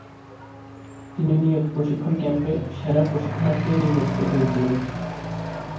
তিনি নিয়োগ প্রশিক্ষণ ক্যাম্পে 'সেরা প্রশিক্ষণার্থী' নির্বাচিত হয়েছিলেন।